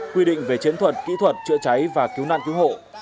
quy định về chiến thuật kỹ thuật chữa cháy và cứu nạn cứu hộ